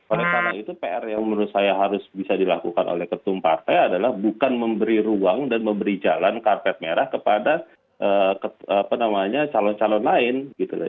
oleh karena itu pr yang menurut saya harus bisa dilakukan oleh ketum partai adalah bukan memberi ruang dan memberi jalan karpet merah kepada calon calon lain